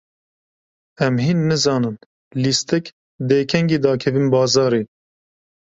Em hîn nizanin lîstik dê kengê dakevin bazarê.